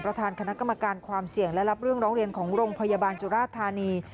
ประธานคณะกรรมการความเสี่ยงและรับเรื่องร้องเรียนของโรงพยาบาลจุราชธานี